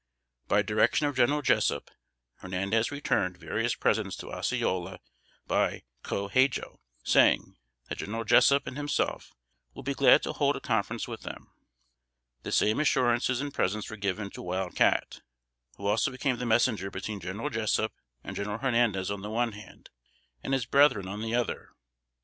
By direction of General Jessup, Hernandez returned various presents to Osceola by Co Hadjo, saying, that General Jessup and himself would be glad to hold a conference with them. The same assurances and presents were given to Wild Cat, who also became the messenger between General Jessup and General Hernandez on the one hand, and his brethren on the other.